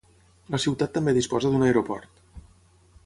La ciutat també disposa d'un aeroport.